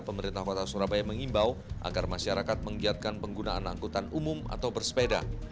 pemerintah kota surabaya mengimbau agar masyarakat menggiatkan penggunaan angkutan umum atau bersepeda